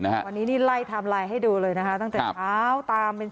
วันนี้ไล่ทำไล่ให้ดูเลยตั้งแต่เช้าตาม